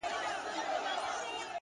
د حقیقت غږ ورو خو پیاوړی وي’